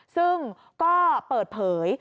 ซึ่งก็เปิดเผย